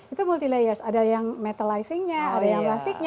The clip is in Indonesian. itu multi layers ada yang metalizingnya ada yang klasiknya